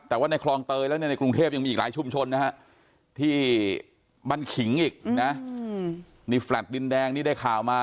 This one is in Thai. แต่ว่าในคลองเตยแล้วเนี่ยในกรุงเทพยังมีอีกหลายชุมชนนะฮะที่บ้านขิงอีกนะนี่แฟลต์ดินแดงนี่ได้ข่าวมา